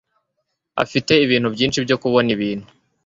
Afite ibintu byinshi byo kubona ibintu.